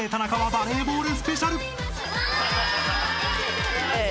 バレーボールスペシャル。